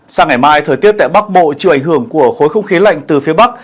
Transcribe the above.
sáng ngày mai thời tiết tại bắc bộ chịu ảnh hưởng của khối không khí lạnh từ phía bắc